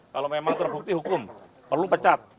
kalau memang terbukti hukum perlu pecat